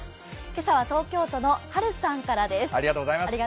今朝は東京都のはるさんからです。